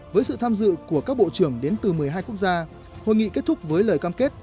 với sự tham dự của các bộ trưởng đến từ một mươi hai quốc gia hội nghị kết thúc với lời cam kết